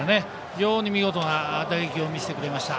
非常に見事な打撃を見せてくれました。